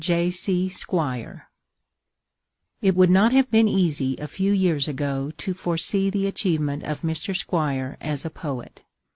J.C. SQUIRE It would not have been easy a few years ago to foresee the achievement of Mr. Squire as a poet.